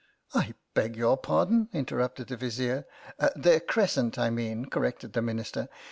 " I beg your pardon ?" interrupted the Vizier. "Their crescent, I mean," corrected the Minister.